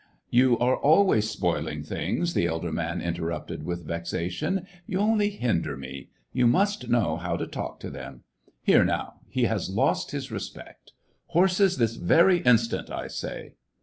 You are always spoiling things," the elder man interrupted, with vexation. *' You only hin der me ; you must know how to talk to them. Here, now, he has lost his respect. Horses this very instant, I say